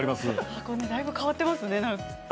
箱根もだいぶ変わっていますね。